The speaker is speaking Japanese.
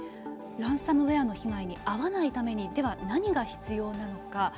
ランサムウエアの被害に遭わないためにでは、何が必要なのか。